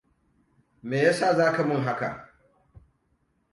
Me yasa za ka min haka?